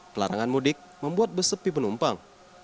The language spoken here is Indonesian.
pelarangan mudik membuat besepi penumpang